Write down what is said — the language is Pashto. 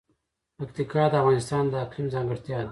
پکتیکا د افغانستان د اقلیم ځانګړتیا ده.